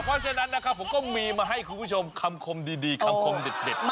เพราะฉะนั้นนะครับผมก็มีมาให้คุณผู้ชมคำคมดีคำคมเด็ด